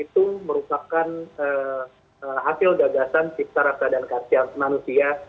itu merupakan hasil gagasan cipta rasa dan kartian manusia